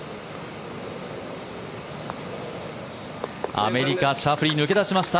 アメリカシャフリー、抜け出しました。